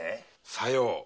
さよう。